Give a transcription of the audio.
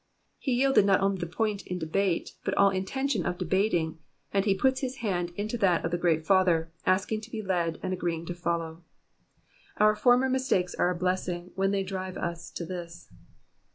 He yielded not only the point in debate, but all intention of debating, and he puts his hand into that of the great Father, asking to be led, and agreeing to follow. Our former mistakes are a blessing, when they drive us to this.